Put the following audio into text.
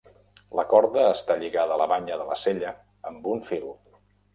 La corda està lligada a la banya de la sella amb un fil.